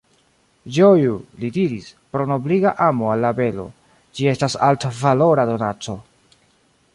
Ĝoju, li diris, pro nobliga amo al la belo; ĝi estas altvalora donaco.